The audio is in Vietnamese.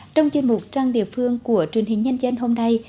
trong chương trình trang địa phương của truyền hình nhân dân hôm nay